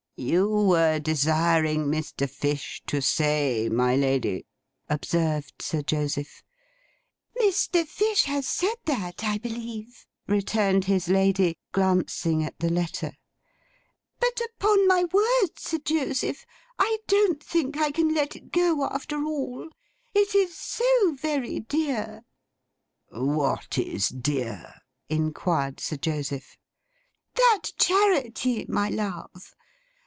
'You were desiring Mr. Fish to say, my lady—' observed Sir Joseph. 'Mr. Fish has said that, I believe,' returned his lady, glancing at the letter. 'But, upon my word, Sir Joseph, I don't think I can let it go after all. It is so very dear.' 'What is dear?' inquired Sir Joseph. 'That Charity, my love.